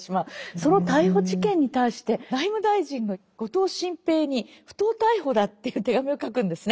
その逮捕事件に対して内務大臣の後藤新平に「不当逮捕だ」という手紙を書くんですね。